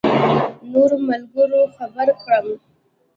نورو ملګرو خبر کړم.